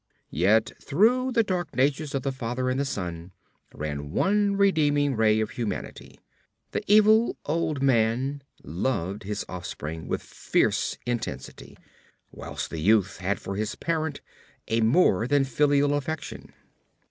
Yet through the dark natures of the father and the son ran one redeeming ray of humanity; the evil old man loved his offspring with fierce intensity, whilst the youth had for his parent a more than filial affection.